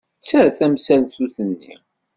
Tter tamsaltut-nni.